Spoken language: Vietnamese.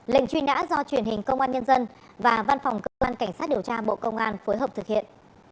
lệnh truy nã do truyền hình công an nhân dân và văn phòng cơ quan cảnh sát điều tra bộ công an phối hợp thực hiện